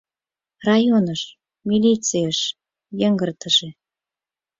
Районыш, милицийыш, йыҥгыртыже.